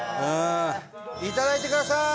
いただいてください。